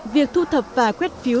việc thu thập và quét phiếu